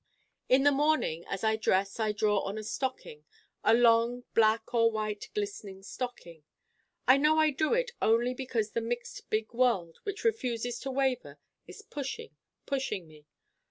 In the morning as I dress I draw on a stocking a long black or white glistening stocking. I know I do it only because the mixed big world, which refuses to Waver, is pushing pushing me.